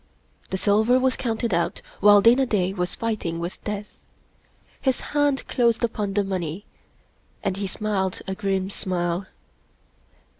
The silver was counted out while Dana Da was fighting with death. His hand closed upon the money and he smiled a grim smile.